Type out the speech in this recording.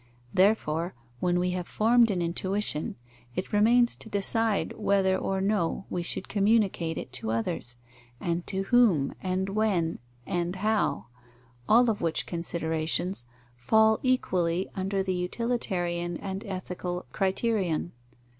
Therefore, when we have formed an intuition, it remains to decide whether or no we should communicate it to others, and to whom, and when, and how; all of which considerations fall equally under the utilitarian and ethical criterion.